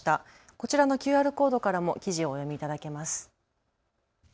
こちらのＱＲコードからも記事をお読みいただけます。